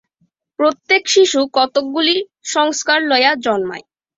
প্রত্যেক শিশু কতকগুলি সংস্কার লইয়া জন্মায়।